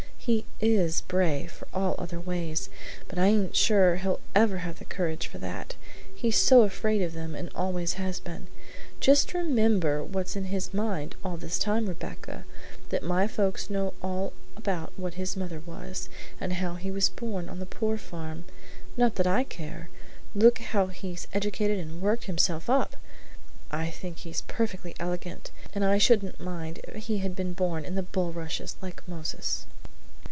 He IS brave in all other ways, but I ain't sure he'll ever have the courage for that, he's so afraid of them and always has been. Just remember what's in his mind all the time, Rebecca, that my folks know all about what his mother was, and how he was born on the poor farm. Not that I care; look how he's educated and worked himself up! I think he's perfectly elegant, and I shouldn't mind if he had been born in the bulrushes, like Moses."